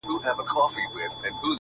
په هغه شپه مي نیمګړی ژوند تمام وای،